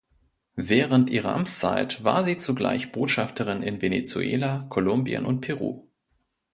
Während ihrer Amtszeit war sie zugleich Botschafterin in Venezuela, Kolumbien und Peru.